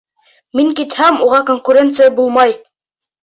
Мин китһәм, уға конкуренция булмай!